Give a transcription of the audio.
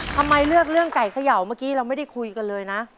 ทำไมเลือกเรื่องไก่เขย่าเมื่อกี้เราไม่ได้คุยกันเลยนะ